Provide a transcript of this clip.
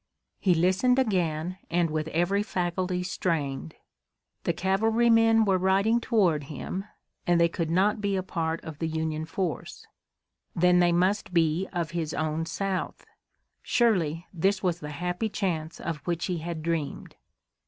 He listened again and with every faculty strained. The cavalrymen were riding toward him and they could not be a part of the Union force. Then they must be of his own South. Surely this was the happy chance of which he had dreamed!